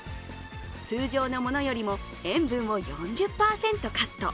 通常のものよりも塩分を４０％カット。